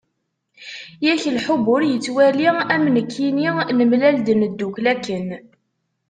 Yak lḥubb ur yettwali, am nekkini, nemlal-d neddukel akken.